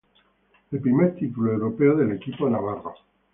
El primer título europeo del equipo navarro.